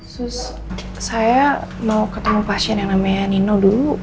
terus saya mau ketemu pasien yang namanya nino dulu